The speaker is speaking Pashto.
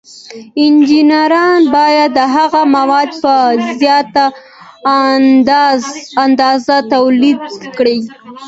انجینران باید دغه مواد په زیاته اندازه تولید کړي.